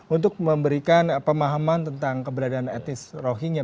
untuk memberikan pemahaman tentang keberadaan etnis rohingya